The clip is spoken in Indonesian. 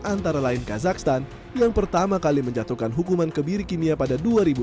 antara lain kazakhstan yang pertama kali menjatuhkan hukuman kebiri kimia pada dua ribu dua